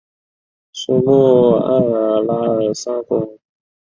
苏穆埃尔拉尔萨国王。